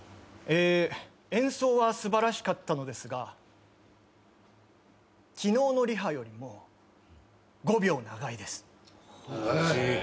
え演奏は素晴らしかったのですが昨日のリハよりも５秒長いです。